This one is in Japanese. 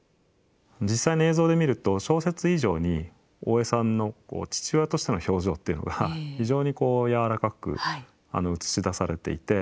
実際の映像で見ると小説以上に大江さんの父親としての表情っていうのが非常にやわらかく映し出されていて。